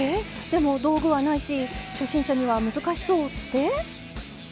⁉でも道具はないし初心者には難しそう」って？